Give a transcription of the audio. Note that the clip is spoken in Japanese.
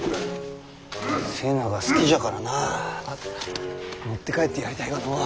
瀬名が好きじゃからなあ持って帰ってやりたいがのう。